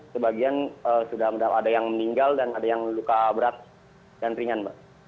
sebagian sudah ada yang meninggal dan ada yang luka berat dan ringan mbak